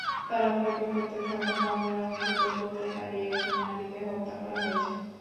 তারা অপেক্ষা করতে থাকুক, আমরা অন্তত বলতে পারি—একজন নারীকে হত্যা করা হয়েছে।